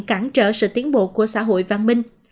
cản trở sự tiến bộ của xã hội văn minh